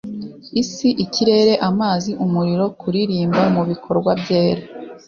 isi, ikirere, amazi, umuriro, kuririmba mubikorwa byera,